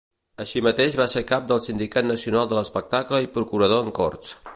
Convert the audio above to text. Així mateix va ser cap del Sindicat Nacional de l'Espectacle i procurador en Corts.